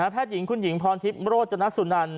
แพทย์หญิงคุณหญิงพรทิพย์โมโรจนัสสุนัน